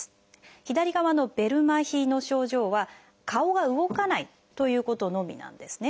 左側のベル麻痺の症状は顔が動かないということのみなんですね。